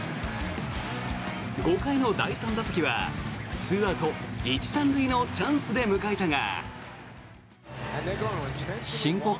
５回の第３打席は２アウト１・３塁のチャンスで迎えたが。